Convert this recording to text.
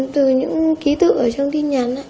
từ những ký tự ở trong tin nhắn